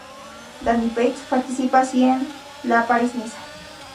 Danny Pate participa así en la París-Niza.